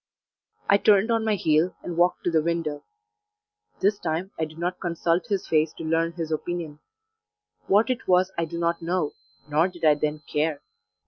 I turned on my heel, and walked to the window; this time I did not consult his face to learn his opinion: what it was I do not know, nor did I then care.